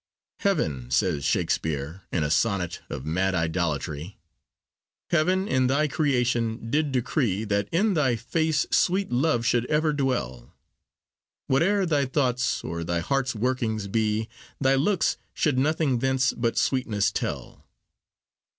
'Heaven,' says Shakespeare, in a sonnet of mad idolatry— Heaven in thy creation did decree That in thy face sweet love should ever dwell; Whate'er thy thoughts or thy heart's workings be, Thy looks should nothing thence but sweetness tell.